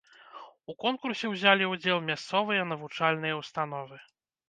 У конкурсе ўзялі удзел мясцовыя навучальныя ўстановы.